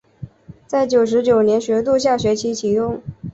在九十九学年度下学期启用。